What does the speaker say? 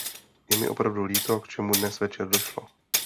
Je mi opravdu líto, k čemu dnes večer došlo.